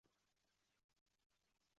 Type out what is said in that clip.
- Bechora qiz..